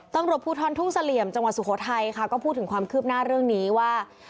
ตำรวจภูทรทุ่งเสลี่ยมจังหวัดสุโขทัยค่ะก็พูดถึงความคืบหน้าเรื่องนี้ว่า